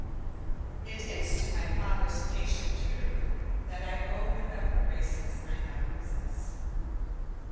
It is to my father's patient tutoring that I owe whatever graces I now possess.